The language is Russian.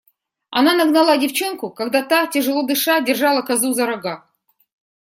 Она нагнала девчонку, когда та, тяжело дыша, держала козу за рога.